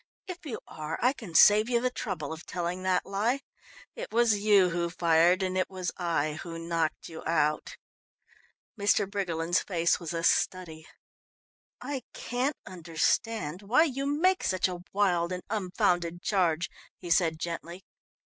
If you are, I can save you the trouble of telling that lie. It was you who fired, and it was I who knocked you out." Mr. Briggerland's face was a study. "I can't understand why you make such a wild and unfounded charge," he said gently.